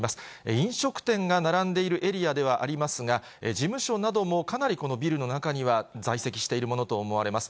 飲食店が並んでいるエリアではありますが、事務所などもかなりこのビルの中には在籍しているものと思われます。